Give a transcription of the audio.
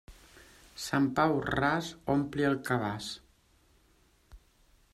Sant Pau ras ompli el cabàs.